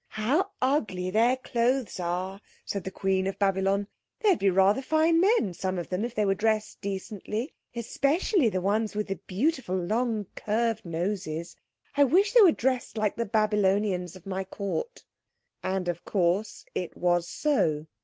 "How ugly their clothes are," said the Queen of Babylon. "They'd be rather fine men, some of them, if they were dressed decently, especially the ones with the beautiful long, curved noses. I wish they were dressed like the Babylonians of my court." And of course, it was so.